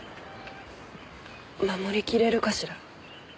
守りきれるかしら？